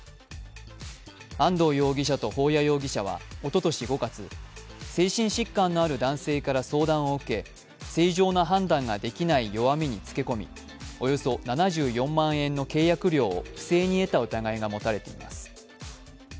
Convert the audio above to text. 安藤容疑者と、保谷容疑者はおととし５月精神疾患のある男性から相談を受け正常な判断ができない弱みにつけ込みおよそ７４万円の契約料を不正に得た疑いが持たれています。